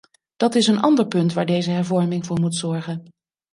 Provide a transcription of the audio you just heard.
Dat is een ander punt waar deze hervorming voor moet zorgen.